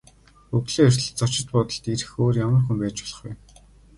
Өглөө эртлэн зочид буудалд ирэх өөр ямар хүн байж болох вэ?